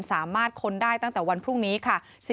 ค้นได้ตั้งแต่วันพรุ่งนี้ค่ะ